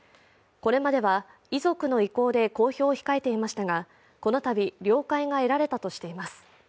これまでは遺族の意向で公表を控えていましたがこのたび了解が得られたとしています。